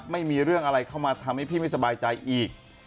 ไม่มีเรื่องอะไรเข้ามาทำให้พี่ไม่สบายใจอีก